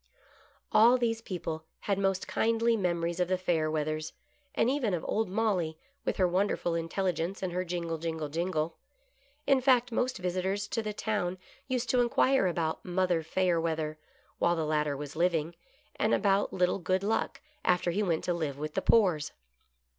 All these people had most kindly memories of the Fayerweathers, and even of old " Molly," with her wonderful intelligence and jingle, jingle, jingle. In fact most visitors to the town used to inquire about " Mother Fayerweather " while the latter was living, and about little Good Luck after he went to live with the Poores.